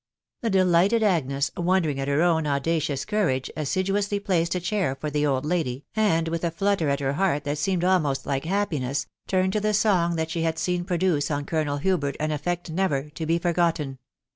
The delighted Agnes, wondering at her own audacious cou rage, assiduously placed a chair for the old lady, and with a flutter at her heart that seemed almost like happiness, turned to the song that sue had seen produce on Colonel Hubert an effect never to be forgotten.